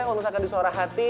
kalo misalkan disuara hati